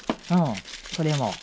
これも。